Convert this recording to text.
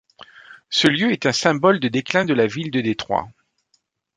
Ce lieu est un symbole du déclin de la ville de Détroit.